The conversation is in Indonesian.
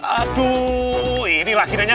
aduh ini lagi nanya